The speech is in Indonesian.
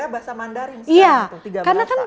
bahasa inggris bahasa korea bahasa mandarin